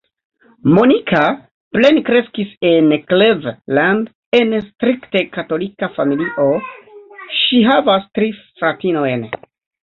Monica plenkreskis en Cleveland en strikte katolika familio, ŝi havas tri fratinojn.